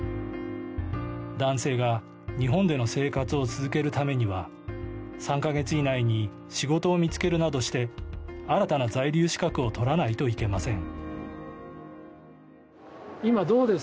男性が日本での生活を続けるためには３か月以内に仕事を見つけるなどして新たな在留資格を取らないといけません。